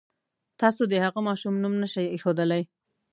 تاسو د هغه ماشوم نوم نه شئ اېښودلی.